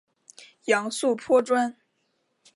杨素颇专。